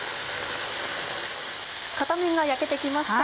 片面が焼けて来ました。